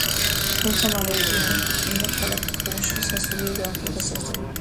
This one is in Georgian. თუმცა მალევე იგი მიემგზავრება წმიდა ქალაქ ყუმში სასულიერო განათლების გასაგრძელებლად.